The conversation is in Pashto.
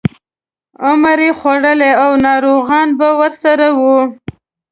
عمر خوړلي او ناروغان به ورسره وو.